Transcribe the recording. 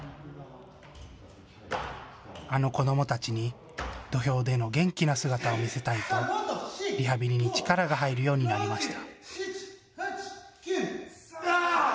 あの子どもたちに土俵での元気な姿を見せたいとリハビリに力が入るようになりました。